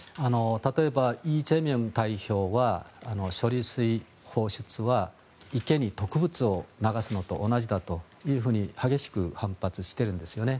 例えばイ・ジェミョン代表は処理水放出は池に毒物を流すのと同じだと激しく反発してるんですよね。